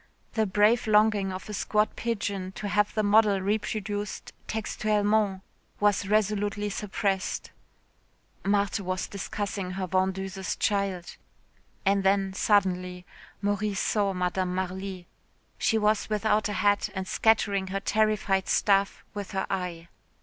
The brave longing of a squat pigeon to have the model reproduced "textuellement" was resolutely suppressed. Marthe was discussing her vendeuse's child.... And then suddenly Maurice saw Madame Marly. She was without a hat and scattering her terrified staff with her eye.